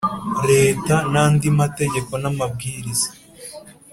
Leta n’andi mategeko n’amabwiriza.